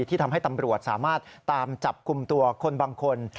ที่ทำให้ตำรวจสามารถตามจับกลุ่มตัวคนบางคน